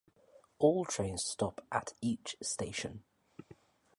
All trains stop at each station.